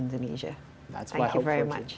indonesia yang berwarna emas